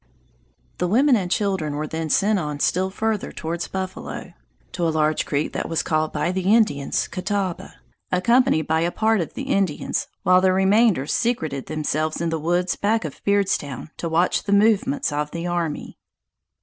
The women and children were then sent on still further towards Buffalo, to a large creek that was called by the Indians Catawba, accompanied by a part of the Indians, while the remainder secreted themselves in the woods back of Beard's Town, to watch the movements of the army.